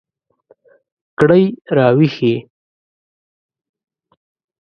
کړئ را ویښې